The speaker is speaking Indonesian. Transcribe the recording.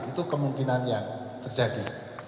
itu kemungkinan yang terjadi